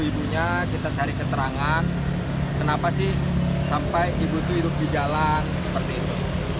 ibunya kita cari keterangan kenapa sih sampai ibu itu hidup di jalan seperti itu